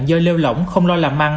do lêu lỏng không lo làm măng